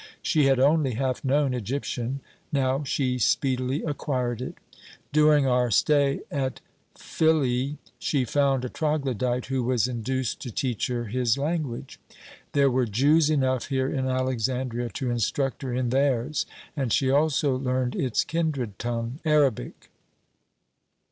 She had only half known Egyptian; now she speedily acquired it. During our stay at Philæ she found a troglodyte who was induced to teach her his language. There were Jews enough here in Alexandria to instruct her in theirs, and she also learned its kindred tongue, Arabic.